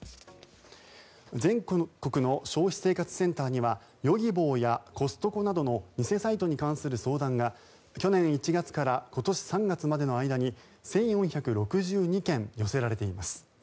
全国の消費生活センターにはヨギボーやコストコなどの偽サイトに関する相談が去年１月から今年３月までの間に１４６２件寄せられています。